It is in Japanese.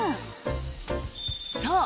そう。